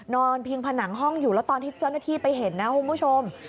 เพียงผนังห้องอยู่แล้วตอนที่เจ้าหน้าที่ไปเห็นนะคุณผู้ชม